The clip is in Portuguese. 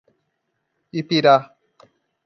Ipirá